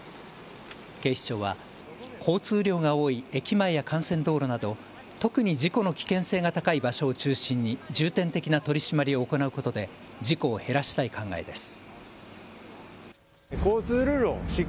警視庁は、交通量が多い駅前や幹線道路など特に事故の危険性が高い場所を中心に重点的な取締りを行うことで事故を減らしたい考えです。